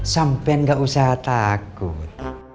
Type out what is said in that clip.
sampai gak usah takut